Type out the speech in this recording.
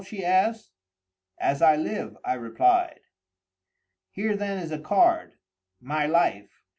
she asked. "As I live," I replied. "Here then is a card, my life.